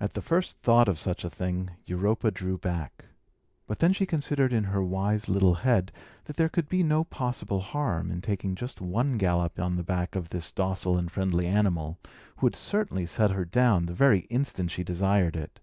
At the first thought of such a thing, Europa drew back. But then she considered in her wise little head that there could be no possible harm in taking just one gallop on the back of this docile and friendly animal, who would certainly set her down the very instant she desired it.